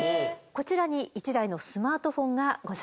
こちらに１台のスマートフォンがございます。